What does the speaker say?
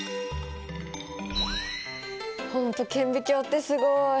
ほんと顕微鏡ってすごい！